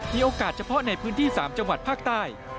เฉพาะในพื้นที่๓จังหวัดภาคใต้